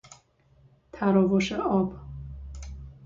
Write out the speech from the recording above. تراوش آب